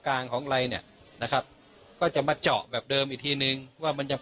จะต้องเก็บเป็นตัวอย่าง